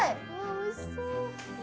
おいしそう。